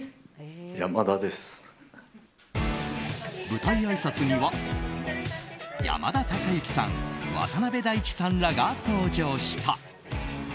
舞台あいさつには山田孝之さん、渡辺大知さんらが登場した。